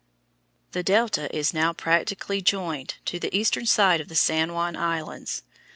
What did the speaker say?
The delta is now practically joined to the eastern side of the San Juan Islands.